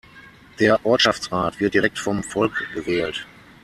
Der Ortschaftsrat wird direkt vom Volk gewählt.